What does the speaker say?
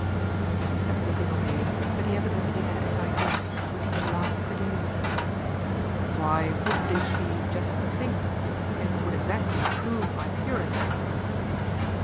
He sat looking away, but he evidently had his idea, which he at last produced. "Why wouldn't it be just the thing? It would exactly prove my purity."